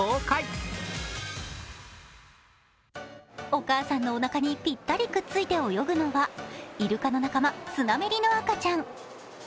お母さんのおなかにぴったりくっつい泳ぐのはいるかの仲間スナメリの赤ちゃん。